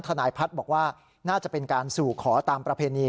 ทนายพัฒน์บอกว่าน่าจะเป็นการสู่ขอตามประเพณี